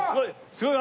すごい。